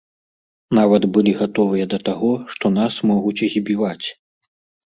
Нават былі гатовыя да таго, што нас могуць збіваць.